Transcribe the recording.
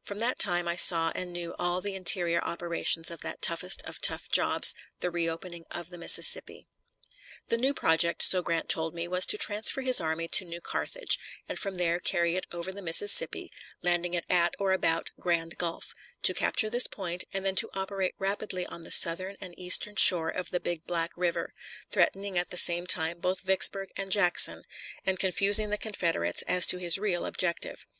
From that time I saw and knew all the interior operations of that toughest of tough jobs, the reopening of the Mississippi. The new project, so Grant told me, was to transfer his army to New Carthage, and from there carry it over the Mississippi, landing it at or about Grand Gulf; to capture this point, and then to operate rapidly on the southern and eastern shore of the Big Black River, threatening at the same time both Vicksburg and Jackson, and confusing the Confederates as to his real objective.